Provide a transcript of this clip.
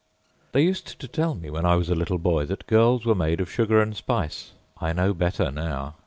They used to tell me, when I was a little boy, that girls were made of sugar and spice. I know better now.